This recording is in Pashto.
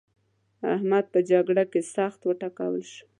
احمد په جګړه کې سخت وټکول شو.